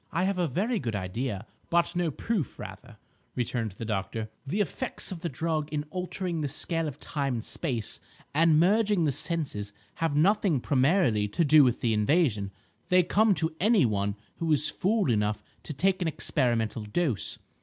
"I have a very good idea, but no proof rather," returned the doctor. "The effects of the drug in altering the scale of time and space, and merging the senses have nothing primarily to do with the invasion. They come to any one who is fool enough to take an experimental dose.